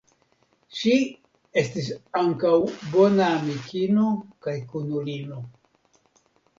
Ŝi estis ankaŭ bona amikino kaj kunulino.